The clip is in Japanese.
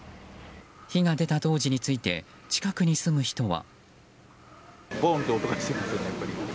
火が出た当時について近くに住む人は。